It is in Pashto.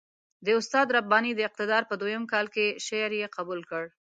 د استاد رباني د اقتدار په دویم کال کې شعر یې قبول کړ.